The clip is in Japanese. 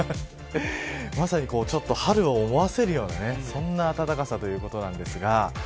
まさに、春を思わせるようなそんな暖かさということなんですが。